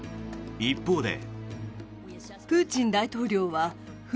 一方で。